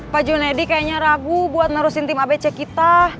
pak junadi kayaknya ragu buat nerusin tim abc kita